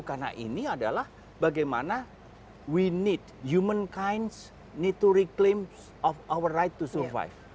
karena ini adalah bagaimana kita perlu humankind need to reclaim our right to survive